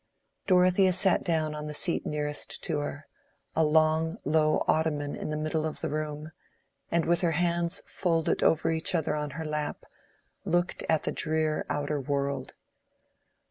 Dorothea sat down on the seat nearest to her, a long low ottoman in the middle of the room, and with her hands folded over each other on her lap, looked at the drear outer world.